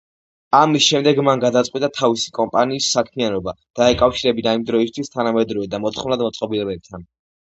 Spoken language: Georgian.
ამის შემდეგ მან გადაწყვიტა თავისი კომპანიის საქმიანობა დაეკავშირებინა იმ დროისთვის თანამედროვე და მოთხოვნად მოწყობილობებთან.